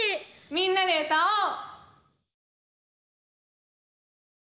「みんなで歌おう」！